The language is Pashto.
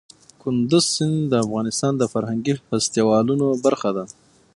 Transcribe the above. کندز سیند د افغانستان د فرهنګي فستیوالونو برخه ده.